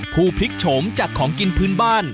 ผู้พลิกโฉมจากของกินพื้นบ้าน